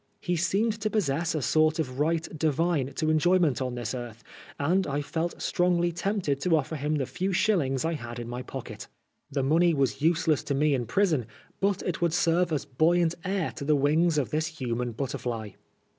He seemed to possess a sort of right divine to enjoyment on this earth, and I felt strongly tempted to offer him the few shillings I had in my pocket. The money was useless to me in prison, but it would serve as buoyant air to the wings of this human butterfly.